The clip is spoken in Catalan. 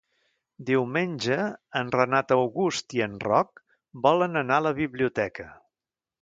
Diumenge en Renat August i en Roc volen anar a la biblioteca.